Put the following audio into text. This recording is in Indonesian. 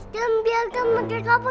dan biarkan mekirka pergi pak